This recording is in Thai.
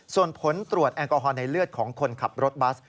ส่วนผลตรวจแอลกอฮอลในเลือดของคนขับรถบัส